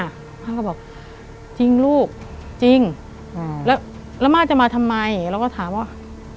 แล้วก็บอกจริงลูกจริงแล้วม่าจะมาทำไมแล้วก็ถามว่า